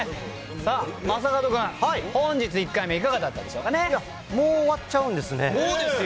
さあ、正門君、本日１回目いいや、もう終わっちゃうんでそうですよ。